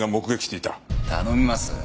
頼みます。